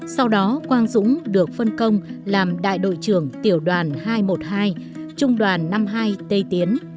sau đó quang dũng được phân công làm đại đội trưởng tiểu đoàn hai trăm một mươi hai trung đoàn năm mươi hai tây tiến